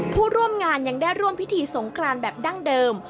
ผู้ร่วมงานยังได้ร่วมพิธีสงครานแบบดั้งเดิม